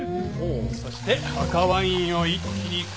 そして赤ワインを一気に加え。